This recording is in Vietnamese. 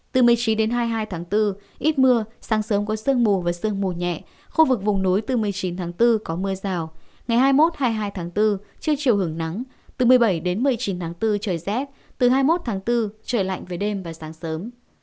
từ một mươi chín đến hai mươi hai tháng bốn ít mưa sáng sớm có sương mù và sương mù nhẹ khu vực vùng núi từ một mươi chín tháng bốn có mưa rào ngày hai mươi một hai mươi hai tháng bốn chưa chiều hưởng nắng từ một mươi bảy đến một mươi chín tháng bốn trời rét từ hai mươi một tháng bốn trời lạnh về đêm và sáng sớm